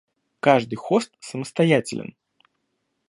Каждый хост самостоятелен